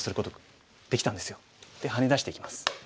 ハネ出してきます。